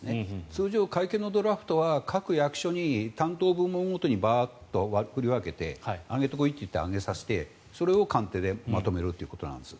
通常、会見のドラフトは各役所ごとに担当部門ごとにバーッと振り分けて上げてこいって言って上げさせてそれを官邸でまとめるんです。